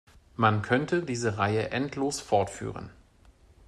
Man könnte diese Reihe endlos fortführen.